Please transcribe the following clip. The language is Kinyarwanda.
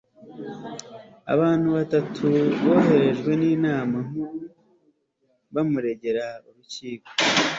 abantu batatu boherejwe n'inama nkuru bamuregera urukiko